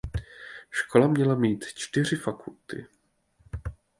Škola měla mít čtyři fakulty.